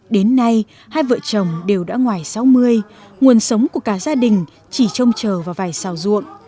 đến nay hai vợ chồng đều đã ngoài sáu mươi nguồn sống của cả gia đình chỉ trông chờ vào vài xào ruộng